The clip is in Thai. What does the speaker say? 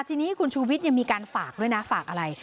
ทีนี้คุณชูวิทย์ยังมีการฝากด้วยนะฝากอะไร